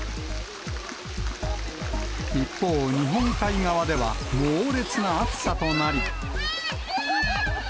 一方、日本海側では猛烈な暑さとなり。